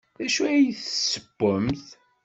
D acu ay d-tessewwemt?